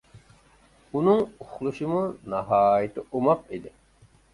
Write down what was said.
ئۇنىڭ ئۇخلىشىمۇ ناھايىتى ئوماق ئىدى.